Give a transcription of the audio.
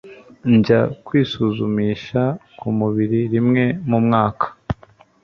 Njya kwisuzumisha kumubiri rimwe mumwaka